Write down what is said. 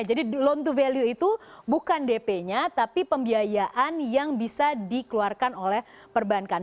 jadi loan to value itu bukan dp nya tapi pembiayaan yang bisa dikeluarkan oleh perbankan